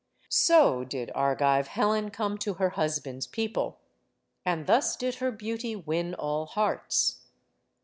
So did Argive Helen come to her husband's people. And thus did her beauty win all hearts.